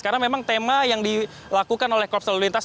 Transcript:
karena memang tema yang dilakukan oleh korps lalu lintas